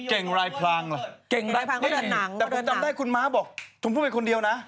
คุณคุณมากบอกถึงพูดเป็นคนเดียวนะ